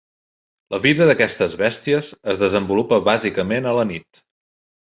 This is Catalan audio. La vida d'aquestes bèsties es desenvolupa bàsicament a la nit.